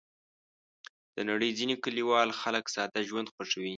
د نړۍ ځینې کلیوال خلک ساده ژوند خوښوي.